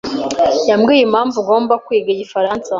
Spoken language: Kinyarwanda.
yambwiye impamvu ngomba kwiga igifaransa.